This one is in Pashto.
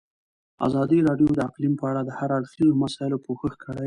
ازادي راډیو د اقلیم په اړه د هر اړخیزو مسایلو پوښښ کړی.